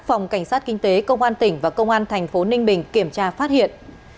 phòng cảnh sát kinh tế công an tỉnh và công an thành phố ninh bình kiểm tra phát hiện